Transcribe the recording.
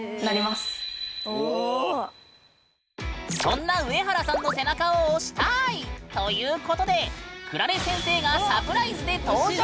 そんなウエハラさんの背中を押したい！ということでくられ先生がサプライズで登場！